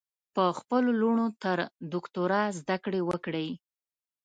په خپلو لوڼو تر دوکترا ذدکړي وکړئ